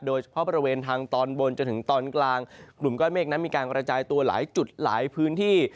โดยเฉพาะบริเวณทางตอนบนจนถึงตอนกลางกลุ่มก้อนเมฆนั้นมีการกระจายตัวหลายจุดหลายพื้นที่